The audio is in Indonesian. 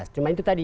cuma itu tadi